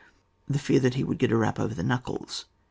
The fear that he would get a rap over the knuckles.